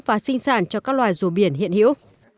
và sinh sản cho các loài rùa biển hiện hữu